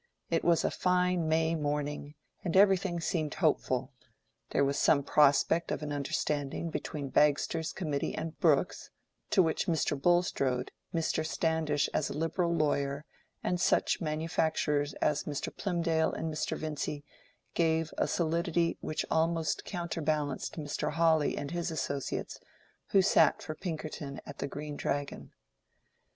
It was a fine May morning, and everything seemed hopeful: there was some prospect of an understanding between Bagster's committee and Brooke's, to which Mr. Bulstrode, Mr. Standish as a Liberal lawyer, and such manufacturers as Mr. Plymdale and Mr. Vincy, gave a solidity which almost counterbalanced Mr. Hawley and his associates who sat for Pinkerton at the Green Dragon.